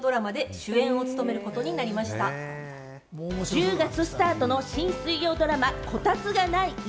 １０月スタートの新水曜ドラマ『コタツがない家』。